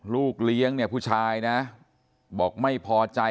ลูกลี้งพู่ชายบอกไม่พอใจ